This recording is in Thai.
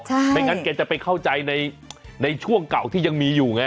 ไม่งั้นแกจะไปเข้าใจในช่วงเก่าที่ยังมีอยู่ไง